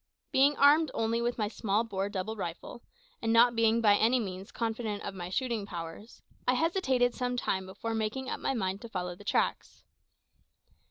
Being armed only with my small bore double rifle, and not being by any means confident of my shooting powers, I hesitated some time before making up my mind to follow the tracks.